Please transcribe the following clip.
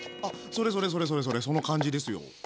それそれそれそれその感じですよ。